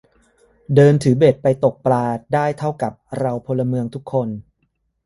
เดินถือเบ็ดไปตกปลาได้เท่ากับเราพลเมืองทุกคน